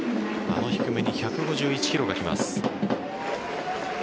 あの低めに１５１キロが来ます。